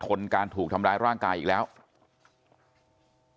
ตรของหอพักที่อยู่ในเหตุการณ์เมื่อวานนี้ตอนค่ำบอกให้ช่วยเรียกตำรวจให้หน่อย